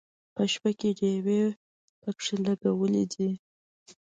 په شپه کې ډیوې پکې لګولې دي.